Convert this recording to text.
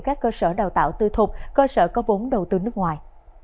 các cơ sở đào tạo tư thuộc cơ sở có vốn đầu tư nước ngoài